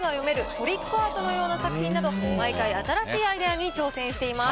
トリックアートのような作品など毎回新しいアイデアに挑戦しています。